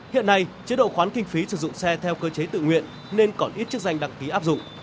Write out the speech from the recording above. hiện nay chế độ khoán kinh phí sử dụng xe theo cơ chế tự nguyện nên còn ít chức danh đăng ký áp dụng